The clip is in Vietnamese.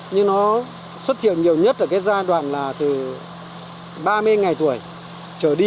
nhưng nó xuất hiện nhiều nhất ở cái giai đoạn là từ ba mươi ngày tuổi trở đi